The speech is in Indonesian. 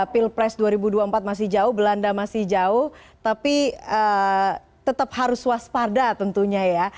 pilpres dua ribu dua puluh empat masih jauh belanda masih jauh tapi tetap harus waspada tentunya ya